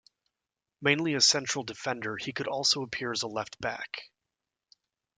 Mainly a central defender, he could also appear as a left back.